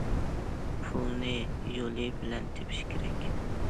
پۇلنى يولى بىلەن تېپىش كېرەك.